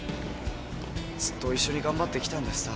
ずっと一緒に頑張ってきたんだしさ。